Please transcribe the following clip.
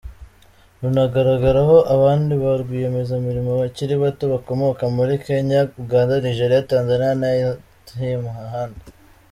Runagaragaraho abandi ba rwiyemezamirimo bakiri bato bakomoka muri Kenya, Uganda, Nigeria, Tanzania n’ahandi.